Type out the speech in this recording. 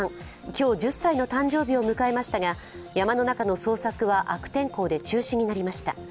今日、１０歳の誕生日を迎えましたが山の中の捜索は悪天候で中止になりました。